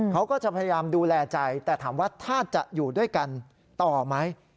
เขาก็จะพยายามดูแลใจแต่ถามว่าถ้าจะอยู่ด้วยกันต่อไหม